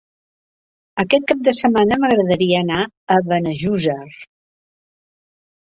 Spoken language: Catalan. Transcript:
Aquest cap de setmana m'agradaria anar a Benejússer.